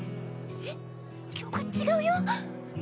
え⁉曲違うよ。